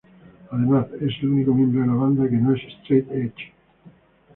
Además, es el único miembro de la banda que no es "straight edge".